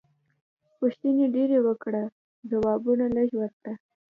پوښتنې ډېرې وکړه ځوابونه لږ ورکړه.